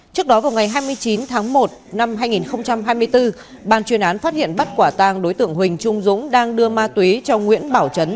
trước đó vào ngày hai mươi chín tháng một năm hai nghìn hai mươi bốn ban chuyên án phát hiện bắt quả tang đối tượng huỳnh trung dũng đang đưa ma túy cho nguyễn bảo trấn